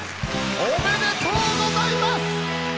おめでとうございます！